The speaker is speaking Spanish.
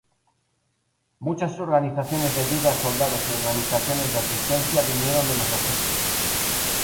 Muchas organizaciones de ayuda a soldados y organizaciones de asistencia vinieron de Massachusetts.